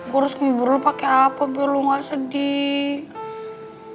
gue harus ngibur lo pake apa biar lo gak sedih